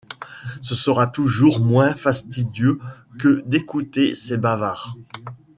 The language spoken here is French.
Ce sera toujours moins fastidieux que d’écouter ces bavards.